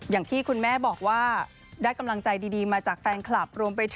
อย่างที่คุณแม่บอกว่าได้กำลังใจดีมาจากแฟนคลับรวมไปถึง